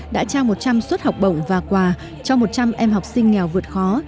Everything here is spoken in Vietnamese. đã trao một trăm linh suất học bổng và quà cho một trăm linh em học sinh nghèo vượt khó